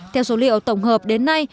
theo số liệu tổng hợp đến nay